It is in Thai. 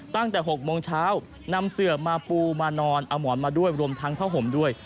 ตั้งแต่๖โมงเช้านำเสือมาปูมานอนเอาหมอนมาด้วยรวมทั้งผ้าห่มด้วย